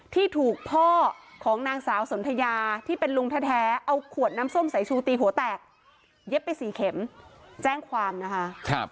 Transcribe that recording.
ที่ถูกพ่อของนางสาวสนทยาที่เป็นลุงแท้เอาขวดน้ำส้มสายชูตีหัวแตกเย็บไปสี่เข็มแจ้งความนะคะ